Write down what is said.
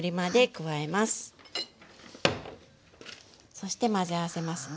そして混ぜ合わせますね。